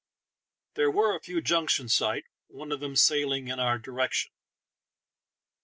There were a few junks in sight, one of them sailing in our direction.